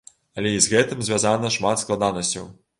Але і з гэтым звязана шмат складанасцяў.